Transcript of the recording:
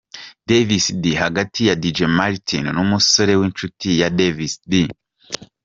Davis D hagati ya Dj Martin n'umusore w'inshuti ya Davis D.